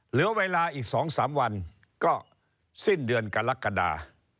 เหลือเวลาอีก๒๓วันก็สิ้นเดือนกรกฎา